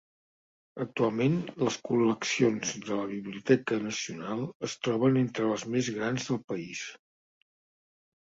Actualment, les col·leccions de la Biblioteca Nacional es troben entre les més grans del país.